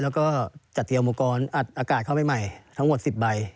แล้วก็จัดเอามวกรอัดอากาศเข้าใหม่ทั้งหมด๑๐ใบ